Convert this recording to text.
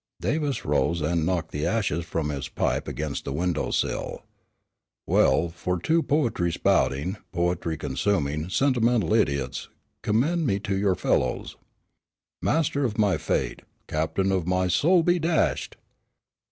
Davis rose and knocked the ashes from his pipe against the window sill. "Well, for two poetry spouting, poetry consuming, sentimental idiots, commend me to you fellows. Master of my fate, captain of my soul, be dashed!